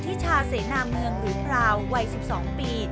ทิชาเสนาเมืองหรือพราววัย๑๒ปี